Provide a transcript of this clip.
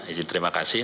ijin terima kasih